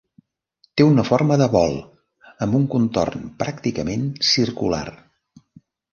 Té una forma de bol, amb un contorn pràcticament circular.